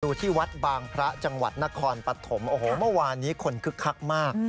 ที่วัดบางพระจังหวัดนครปฐมโอ้โหเมื่อวานนี้คนคึกคักมาก